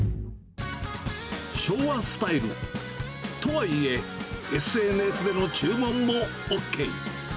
昭和スタイルとはいえ、ＳＮＳでの注文もＯＫ。